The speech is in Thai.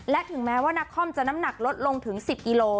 และถึงแม้ว่านักคอมจะน้ำหนักลดลงถึง๑๐กิโล